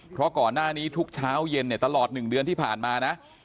เพราะก่อนหน้านี้ทุกเช้าเย็นเนี่ยตลอด๑เดือนที่ผ่านมานะ